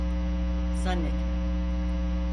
Zannetmem.